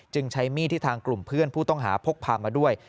ใช้มีดที่ทางกลุ่มเพื่อนผู้ต้องหาพกพามาด้วย